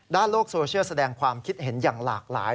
โลกโซเชียลแสดงความคิดเห็นอย่างหลากหลาย